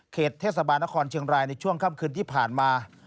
เทศบาลนครเชียงรายในช่วงค่ำคืนที่ผ่านมา